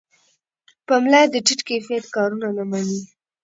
پملا د ټیټ کیفیت کارونه نه مني.